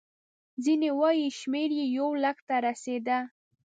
ځینې وایي شمېر یې یو لک ته رسېده.